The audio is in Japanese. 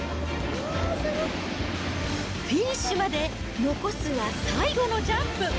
フィニッシュまで残すは最後のジャンプ。